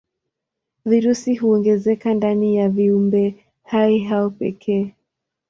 Virusi huongezeka ndani ya viumbehai hao pekee.